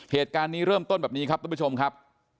เหตุการณ์นี้เริ่มต้นแบบนี้ครับทุกผู้ชมครับ